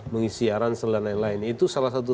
mengisi aransel dan lain lain itu salah satu